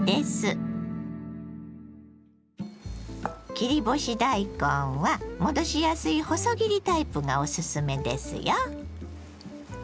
切り干し大根は戻しやすい細切りタイプがおすすめですよ。